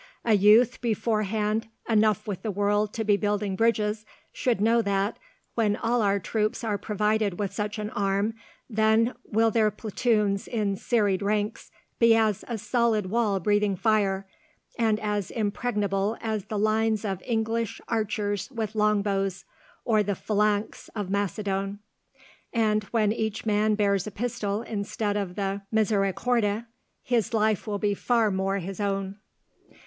A youth beforehand enough with the world to be building bridges should know that, when all our troops are provided with such an arm, then will their platoons in serried ranks be as a solid wall breathing fire, and as impregnable as the lines of English archers with long bows, or the phalanx of Macedon. And, when each man bears a pistol instead of the misericorde, his life will be far more his own."